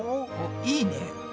いいね。